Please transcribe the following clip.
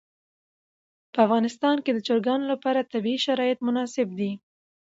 په افغانستان کې د چرګانو لپاره طبیعي شرایط مناسب دي.